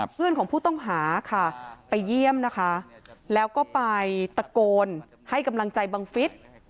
เพื่อนของผู้ต้องหาค่ะไปเยี่ยมนะคะแล้วก็ไปตะโกนให้กำลังใจบังฟิศ